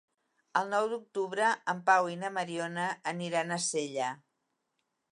El nou d'octubre en Pau i na Mariona aniran a Sella.